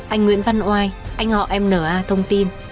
anh nguyễn văn oai anh họ em n a thông tin